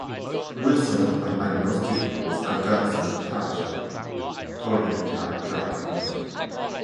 Wilson, an agnostic, was "aghast" when Thacher told him he had "got religion".